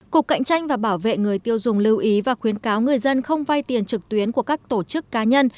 cục cạnh tranh và bảo vệ người tiêu dùng lưu ý và khuyến cáo người dân không vay tiền trực tuyến của các tổ chức cá nhân